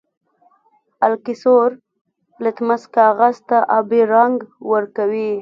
القلي سور لتمس کاغذ ته آبي رنګ ورکوي.